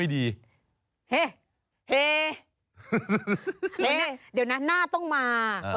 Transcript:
นี่เดี๋ยวนะหน้าต้องมา